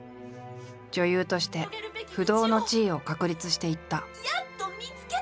女優として不動の地位を確立していった。